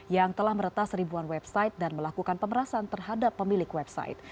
yang telah meretas ribuan website dan melakukan pemerasan terhadap pemilik website